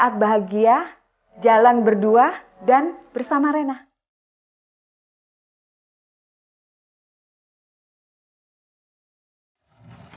tapi aku akan ada disini mas